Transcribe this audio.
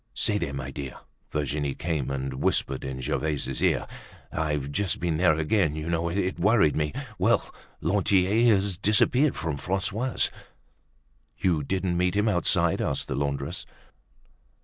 "Say there, my dear," Virginie came and whispered in Gervaise's ear, "I've just been there again, you know. It worried me. Well! Lantier has disappeared from Francois's." "You didn't meet him outside?" asked the laundress.